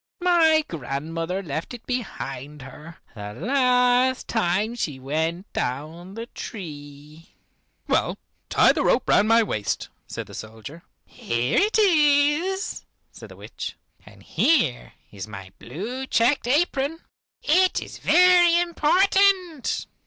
My grandmother left it behind her, the last time she went down the tree." "Well, tie the rope round my waist," said the soldier. "Here it is," said the witch, "and here is my blue checked apron. It is very important."